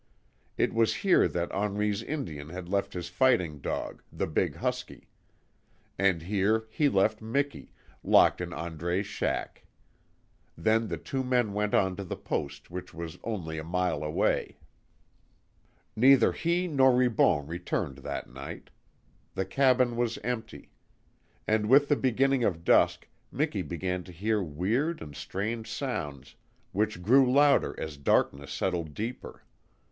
It was here that Henri's Indian had left his fighting dog, the big husky. And here he left Miki, locked in Andre's shack. Then the two men went on to the Post which was only a mile away. Neither he nor Ribon returned that night. The cabin was empty. And with the beginning of dusk Miki began to hear weird and strange sounds which grew louder as darkness settled deeper.